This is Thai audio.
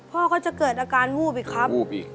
พ่อก็จะเกิดอาการหู้บอีกครับ